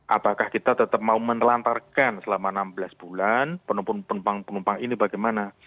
apakah kita tetap mau menelantarkan selama enam belas bulan penumpang penumpang ini bagaimana